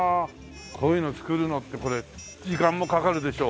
こういうの作るのってこれ時間もかかるでしょう？